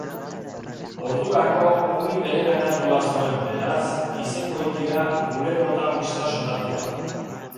Ordurako ongi bereganatua zuen, beraz, izengoitia gure protagonista sonatuak.